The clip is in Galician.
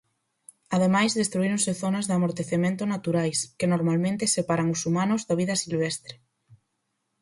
Ademais, destruíronse zonas de amortecemento naturais, que normalmente separan os humanos da vida silvestre.